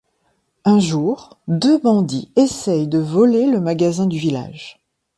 Un jour, deux bandits essayent de voler le magasin du village.